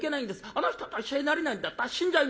あの人と一緒になれないんだったら死んじゃいます。